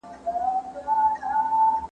ګنجیتوب د ټولنې لپاره عامه مسله ده.